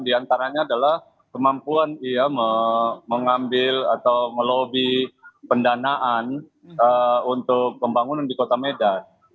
di antaranya adalah kemampuan ia mengambil atau melobi pendanaan untuk pembangunan di kota medan